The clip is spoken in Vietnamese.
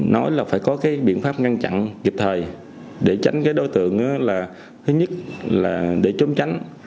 nói là phải có cái biện pháp ngăn chặn kịp thời để tránh cái đối tượng là thứ nhất là để trốn tránh